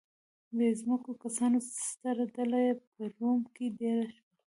بې ځمکو کسانو ستره ډله په روم کې دېره شوه